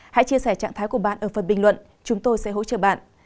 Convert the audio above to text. hãy chia sẻ trạng thái của bạn ở phần bình luận chúng tôi sẽ hỗ trợ bạn